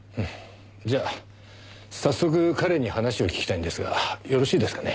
じゃあ早速彼に話を聞きたいんですがよろしいですかね？